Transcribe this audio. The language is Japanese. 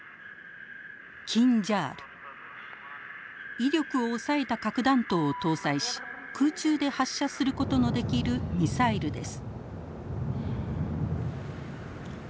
威力を抑えた核弾頭を搭載し空中で発射することのできるミサイルです。